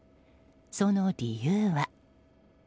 その理由は。